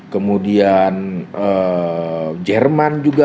kemudian jerman juga